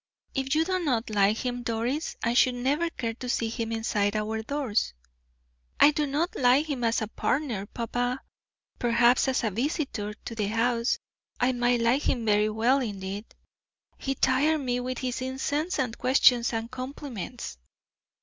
"If you do not like him, Doris, I should never care to see him inside our doors." "I do not like him as a partner, papa; perhaps as a visitor to the house I might like him very well indeed. He tired me with his incessant questions and compliments."